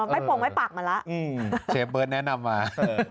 ไม่โปรงไว้ปากมาแล้วเชฟเบิร์ตแนะนำมา